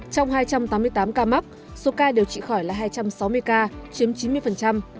trong hai trăm tám mươi tám ca mắc số ca điều trị khỏi là hai trăm sáu mươi ca chiếm chín mươi